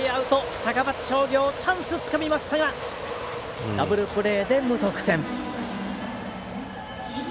高松商業チャンスつかみましたがダブルプレーで無得点。